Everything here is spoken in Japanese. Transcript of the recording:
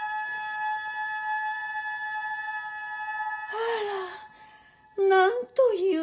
あらなんという！